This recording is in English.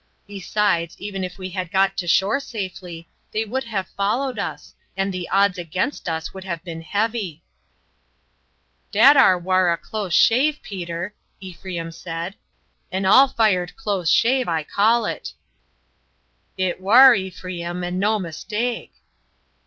Besides, even if we had got to shore safely, they would have followed us, and the odds against us would have been heavy." "That ar war a close shave, Peter," Ephraim said; "an all fired close shave I call it." "It war, Ephraim, and no mistake."